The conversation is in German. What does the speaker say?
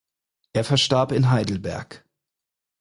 Er verstarb in Heidelberg.